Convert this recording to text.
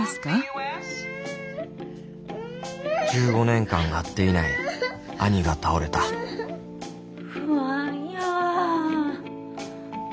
１５年間会っていない兄が倒れた不安やわはよ行ったって。